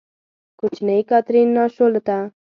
کوچنۍ کاترین، ناشولته!